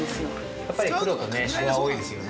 ◆やっぱり黒と朱は多いですよね。